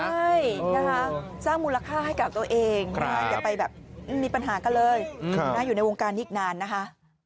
ใช่นะคะสร้างมูลค่าให้กับตัวเองอย่าไปแบบมีปัญหากันเลยอยู่ในวงการนี้อีกนานนะคะ